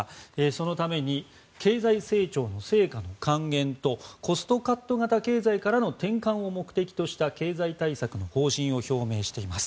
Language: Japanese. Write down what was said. そのために経済成長の成果の還元とコストカット型経済からの転換を目的とした経済対策の方針を表明しています。